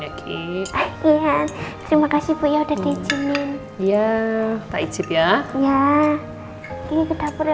ya ki terima kasih punya udah diizinin ya pak iqyip ya iya ini kedapur ya ya